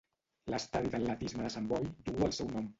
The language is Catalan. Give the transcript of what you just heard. L'estadi d'atletisme de Sant Boi duu el seu nom.